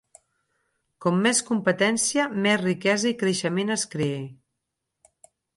Com més competència, més riquesa i creixement es crea.